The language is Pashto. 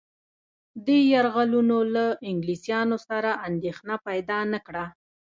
دې یرغلونو له انګلیسيانو سره اندېښنه پیدا نه کړه.